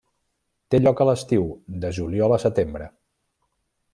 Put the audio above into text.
Té lloc a l'estiu, de juliol a setembre.